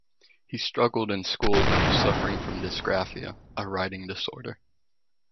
He struggled in school due to suffering from dysgraphia, a writing disorder.